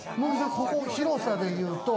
ここ、広さでいうと？